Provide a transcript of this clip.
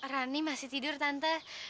rani masih tidur tante